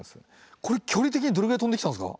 これ距離的にどれぐらい飛んできたんですか？